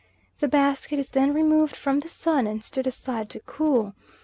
The basket is then removed from the sun and stood aside to cool.